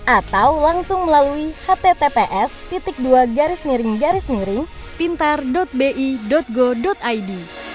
atau langsung melalui https dua garis miring pintar bi go id